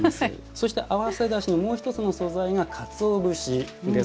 そして合わせだしのもう一つの素材がかつお節です。